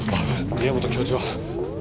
宮本教授は？